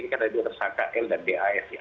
ini katanya diurus akl dan das